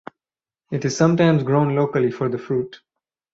It is sometimes grown locally for the fruit.